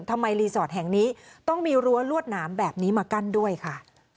ทำไมรีสอร์ทแห่งนี้ต้องมีรั้วลวดหนามแบบนี้มากั้นด้วยค่ะ